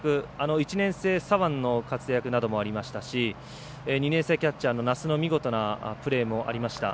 １年生、左腕の活躍などもありましたし２年キャッチャーの奈須の見事なプレーもありました。